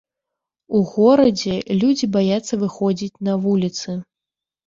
У горадзе людзі баяцца выходзіць на вуліцы.